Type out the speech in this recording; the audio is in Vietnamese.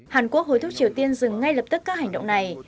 hàn quốc hối thúc triều tiên dừng ngay lập tức các hành động này